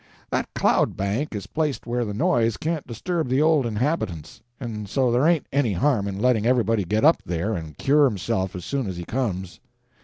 That cloud bank is placed where the noise can't disturb the old inhabitants, and so there ain't any harm in letting everybody get up there and cure himself as soon as he comes.